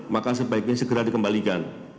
maka sebaiknya segera dikembalikan